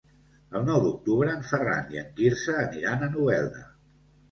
El nou d'octubre en Ferran i en Quirze aniran a Novelda.